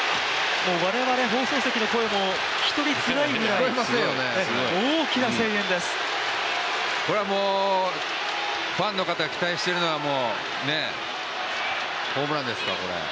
我々、放送席の声も聞き取りづらいぐらいこれはもうファンの方期待しているのはホームランですから、これ。